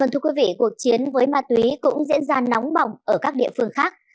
thưa quý vị cuộc chiến với ma túy cũng diễn ra nóng bỏng ở các địa phương khác